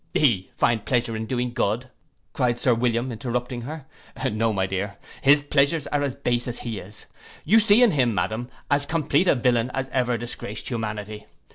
'He find pleasure in doing good!' cried Sir William, interrupting her. 'No, my dear, his pleasures are as base as he is. You see in him, madam, as complete a villain as ever disgraced humanity.